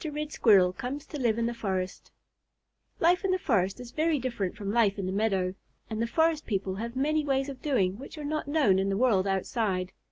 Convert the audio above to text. RED SQUIRREL COMES TO LIVE IN THE FOREST Life in the forest is very different from life in the meadow, and the forest people have many ways of doing which are not known in the world outside.